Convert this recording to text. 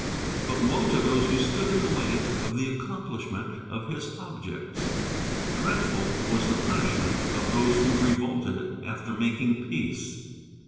But woe to those who stood in the way of the accomplishment of his objects. Dreadful was the punishment of those who revolted after making peace.